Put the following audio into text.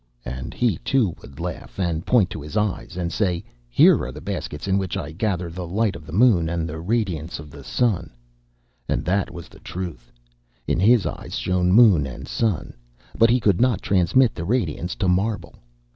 And he, too, would laugh and point to his eyes and say: "Here are the baskets in which I gather the light of the moon and the radiance of the sun." And that was the truth. In his eyes shone moon and sun. But he could not transmit the radiance to marble.